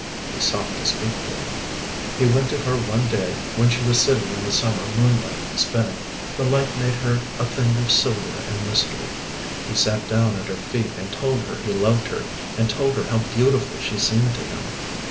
He sought to speak to her. He went to her one day when she was sitting in the summer moonlight spinning. The light made her a thing of silver and mystery. He sat down at her feet and told her he loved her, and told her how beautiful she seemed to him.